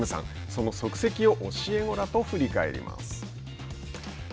その足跡を教え子らと振り返ります。